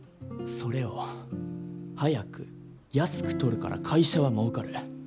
それを速く安く撮るから会社はもうかる。